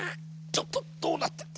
ちょっとどうなってんだ。